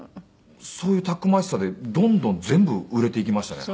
そういうたくましさでどんどん全部売れていきましたね。